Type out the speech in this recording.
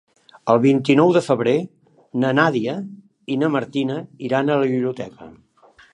El vint-i-nou de febrer na Nàdia i na Martina iran a la biblioteca.